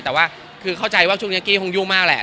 แต่ว่าคือเข้าใจว่าช่วงนี้กี้คงยุ่งมากแหละ